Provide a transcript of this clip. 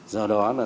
do đó là